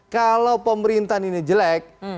kalau pemerintahan ini jelek